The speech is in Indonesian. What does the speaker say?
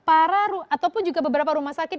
para ataupun juga beberapa rumah sakit